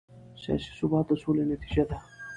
سیاسي ثبات د سولې نتیجه ده